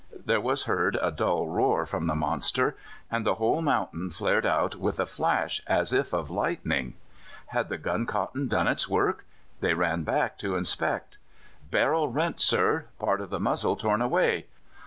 There was heard a dull roar from the monster, and the whole mountain flared out with a flash as if of lightning. "Had the gun cotton done its work?" They ran back to inspect. "Barrel rent, sir; part of the muzzle torn away."